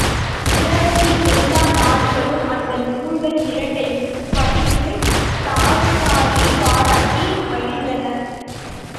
உலகத்தின் எல்லா நாடுகளும் அந்த நூல்கள் இரண்டையும் படித்து டால்ஸ்டாயைப் பாராட்டி மகிழ்ந்தன.